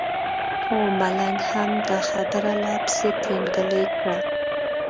هو ملنګ هم دا خبره لا پسې ترینګلې کړه.